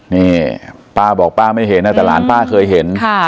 นี่ป้าบอกป้าไม่เห็นนะแต่หลานป้าเคยเห็น